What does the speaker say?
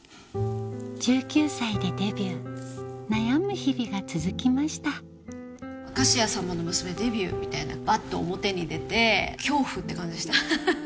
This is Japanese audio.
１９歳でデビュー悩む日々が続きました「明石家さんまの娘デビュー」みたいなバッと表に出て恐怖って感じでしたハハハ。